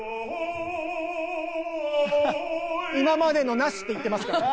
「今までのなし」って言ってますから。